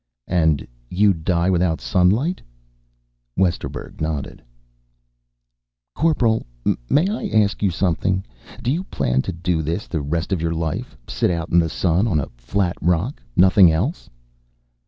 "And you'd die without sunlight?" Westerburg nodded. "Corporal, may I ask you something? Do you plan to do this the rest of your life, sit out in the sun on a flat rock? Nothing else?"